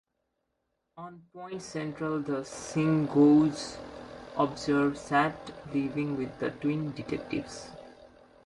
On Point Central, the Shingouz observe Sat leaving with the twin-detectives.